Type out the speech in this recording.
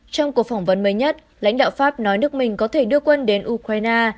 trong cuộc phỏng vấn mới nhất lãnh đạo pháp nói nước mình có thể đưa quân đến ukraine